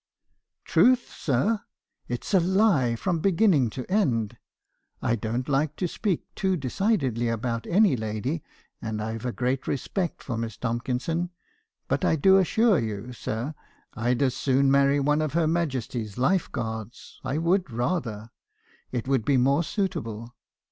"■ Truth, sir! it 's a lie from beginning to end. I don't like to speak too decidedly about any lady; and I Ve a great respect for Miss Tomkinson ; but I do assure you, sir, I 'd as soon marry one of her Majesty's Life guards. I would rather; — it would be more suitable.